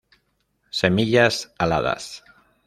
Semillas aladas.